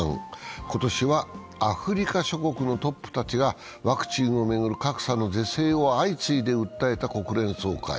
今年はアフリカ諸国のトップたちがワクチンを巡る格差の是正を相次いで訴えた国連総会。